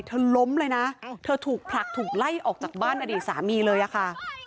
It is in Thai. ล้มเลยนะเธอถูกผลักถูกไล่ออกจากบ้านอดีตสามีเลยอะค่ะ